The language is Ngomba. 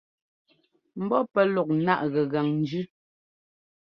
Mbɔ́ pɛ́ luk náʼ gɛgan njʉ.